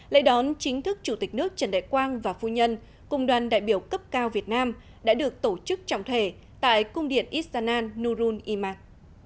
lệ đón chính thức chủ tịch nước trần đại quang và phu nhân cùng đoàn đại biểu cấp cao việt nam đã được tổ chức trọng thể tại cung điện issanan nurun imad